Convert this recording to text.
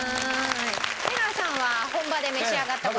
出川さんは本場で召し上がった事があると。